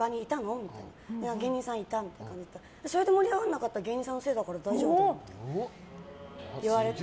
って芸人さんはいたって言ったらそれで盛り上がらなかったら芸人さんのせいだから大丈夫だよって言われて。